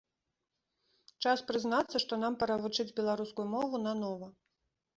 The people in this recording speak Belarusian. Час прызнацца, што нам пара вучыць беларускую мову нанова!